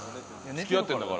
付き合ってんだから。